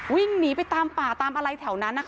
วิ่งไปทางป่าตามอะไรแถวนั้น